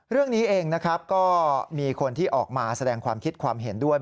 เรื่องนี้เองนะครับก็มีคนที่ออกมาแสดงความคิดความเห็นด้วย